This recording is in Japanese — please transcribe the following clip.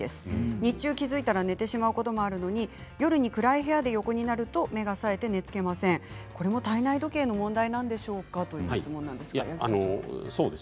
日中気付いたら寝てしまうこともあるのに夜に暗い部屋に寝ようとすると寝つけません、体内時計の問題なんでしょうかということです。